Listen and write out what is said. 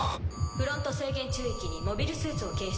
フロント制限宙域にモビルスーツを検出。